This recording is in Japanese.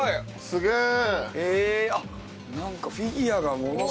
すげえ！